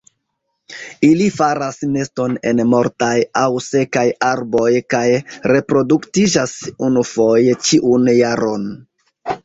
Ili faras neston en mortaj aŭ sekaj arboj kaj reproduktiĝas unufoje ĉiun jaron.